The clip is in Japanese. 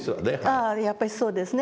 ああやっぱりそうですね。